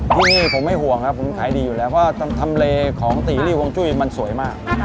ที่นี่ผมไม่ห่วงครับผมขายดีอยู่แล้วเพราะทำเลของตีรี่วงจุ้ยมันสวยมาก